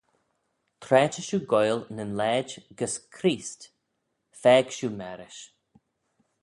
Tra ta shiu goaill nyn laaid gys Chreest, faag shiu marish.